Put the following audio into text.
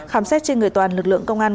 khám xét trên người toàn lực lượng công an